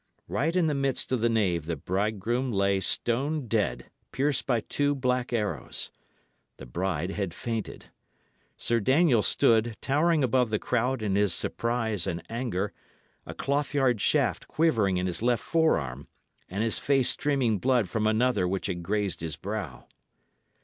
Right in the midst of the nave the bridegroom lay stone dead, pierced by two black arrows. The bride had fainted. Sir Daniel stood, towering above the crowd in his surprise and anger, a clothyard shaft quivering in his left forearm, and his face streaming blood from another which had grazed his brow.